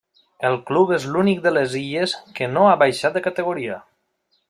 El club és l'únic de les illes que no ha baixat de categoria.